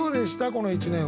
この１年は。